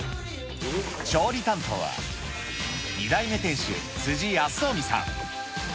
調理担当は、２代目店主、辻保臣さん。